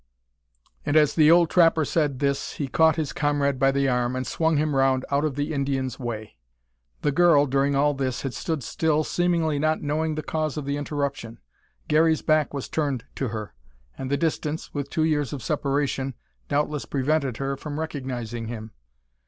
And as the old trapper said this he caught his comrade by the arm, and swung him round out of the Indian's way. The girl, during all this, had stood still, seemingly not knowing the cause of the interruption. Garey's back was turned to her, and the distance, with two years of separation, doubtless prevented her from recognising him.